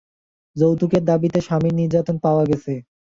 যৌতুকের দাবিতে স্বামীর নির্যাতনে গৃহবধূর মৃত্যু হয়েছে বলে অভিযোগ পাওয়া গেছে।